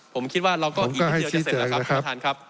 ผมคิดว่าเราก็อีกนิดเดียวจะเสร็จแล้วครับท่านประธานครับ